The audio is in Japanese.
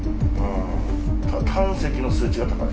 胆石の数値が高い。